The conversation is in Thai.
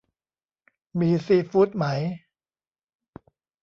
มีซีฟู้ดไหม